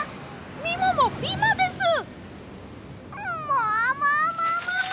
ももももも！